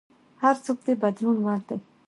هر څوک د بدلون وړ دی.